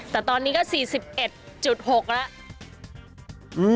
แต่ตอนนี้ก็๔๑๖กิโลกรัมแล้ว